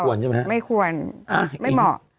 ใช่ไหมฮะไม่ควรไม่เหมาะ